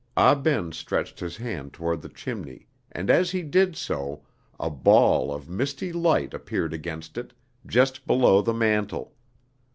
Ah Ben stretched his hand toward the chimney, and as he did so, a ball of misty light appeared against it, just below the mantel.